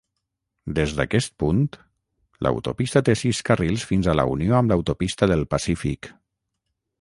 Des d'aquest punt, l'autopista té sis carrils fins a la unió amb l'autopista del Pacífic.